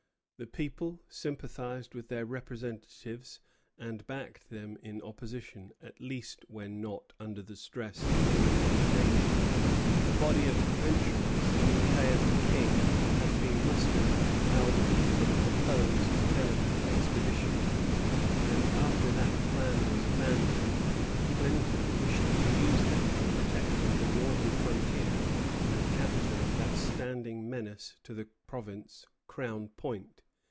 The people sympathized with their representatives and backed them in opposition, at least when not under the stress of imminent danger. A body of provincials, in the pay of the King, had been mustered at Albany for the proposed Canada expedition; and after that plan was abandoned, Clinton wished to use them for protecting the northern frontier and capturing that standing menace to the province, Crown Point.